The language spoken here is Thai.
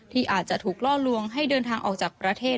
อาจจะถูกล่อลวงให้เดินทางออกจากประเทศ